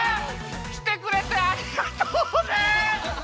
きてくれてありがとうね！